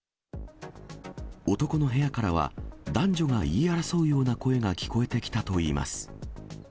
男の部屋からは、男女が言い争うような声が聞こえてきたといいます。